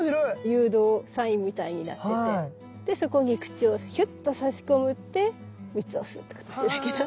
誘導サインみたいになっててでそこに口をヒュッとさし込んで蜜を吸うっていう形だけど。